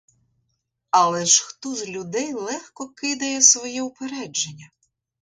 Але ж хто з людей легко кидає своє упередження?